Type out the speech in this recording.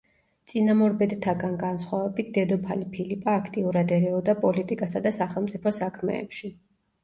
წინამორბედთაგან განსხვავებით, დედოფალი ფილიპა აქტიურად ერეოდა პოლიტიკასა და სახელმწიფო საქმეებში.